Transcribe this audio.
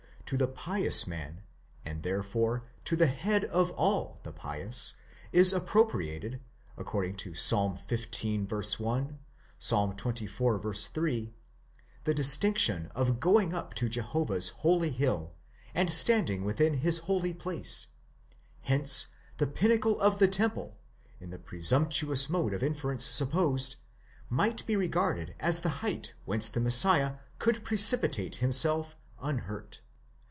To the pious man, and therefore to the head of all the pious, is appropriated, according to Ps. xv. 1, xxiv. 3, the distinction of going up to Jehovah's holy hill, and standing within his holy place: hence the pinnacle of the temple, in the presumptuous mode of inference supposed, might be re garded as the height whence the Messiah could precipitate himself unhurt.